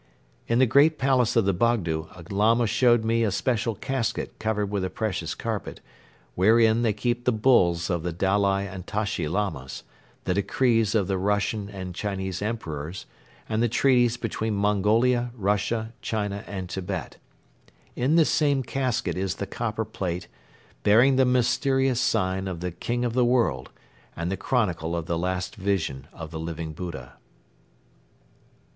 In the great palace of the Bogdo a Lama showed me a special casket covered with a precious carpet, wherein they keep the bulls of the Dalai and Tashi Lamas, the decrees of the Russian and Chinese Emperors and the Treaties between Mongolia, Russia, China and Tibet. In this same casket is the copper plate bearing the mysterious sign of the "King of the World" and the chronicle of the last vision of the Living Buddha.